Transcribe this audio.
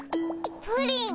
プリン？